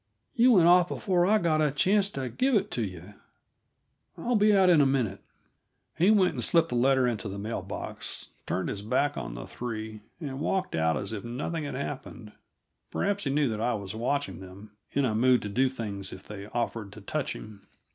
"You went off before I got a chance to give it to yuh. I'll be out in a minute." He went and slipped the letter into the mail box, turned his back on the three, and walked out as if nothing had happened; perhaps he knew that I was watching them, in a mood to do things if they offered to touch him.